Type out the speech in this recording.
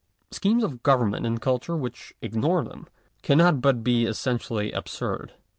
Schemes of government and culture which ignore them, cannot but be essentially absurd.